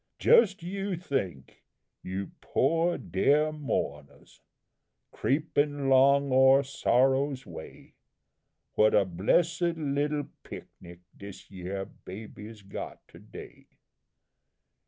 "Just you think, you poor deah mounahs, creepin' long o'er Sorrow's way, What a blessed little pic nic dis yere baby's got to day!